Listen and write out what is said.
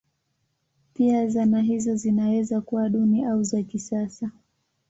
Pia zana hizo zinaweza kuwa duni au za kisasa.